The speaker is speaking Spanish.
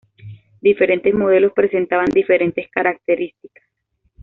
Diferentes modelos presentaban diferentes características.